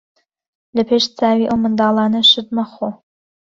لە پێش چاوی ئەو منداڵانە شت مەخۆ.